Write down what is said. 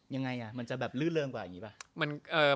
ยังไงมันจะแบบลื่นเริงกว่าอย่างนี้ป่ะ